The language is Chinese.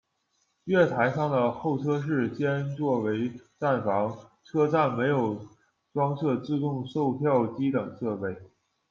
月台上的候车室兼做为站房，车站没有装设自动售票机等设备。